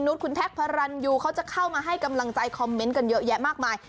คุณแท็กพระรันยูเขาจะเข้ามาให้กำลังใจคอมเมนต์กันเยอะแยะมากมาย